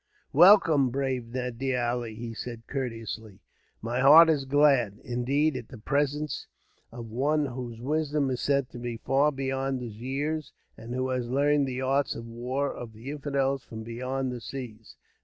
"Welcome, brave Nadir Ali," he said courteously; "my heart is glad, indeed, at the presence of one whose wisdom is said to be far beyond his years, and who has learned the arts of war of the infidels from beyond the seas."